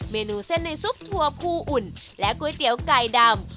เมนูเส้นในซุปถั่วภูอุ่นและก๋วยเตี๋ยวไก่ดำ